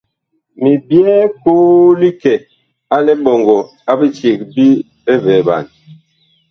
Mi byɛɛ koo li kɛ a liɓɔŋgɔ a biceg bi vɛɛɓan.